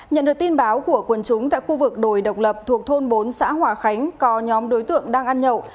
nhận được tin báo của quần chúng tại khu vực đồi độc lập thuộc thôn bốn xã hòa khánh có nhóm đối tượng đang ăn nhậu